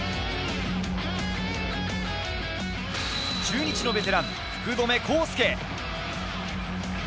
中日のベテラン・福留孝介。